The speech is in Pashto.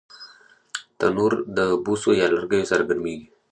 تنور د بوسو یا لرګیو سره ګرمېږي